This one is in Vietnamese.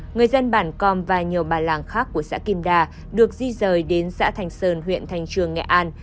người dân bản com và nhiều bà làng khác của xã kim đà được di rời đến xã thành sơn huyện thành trường nghệ an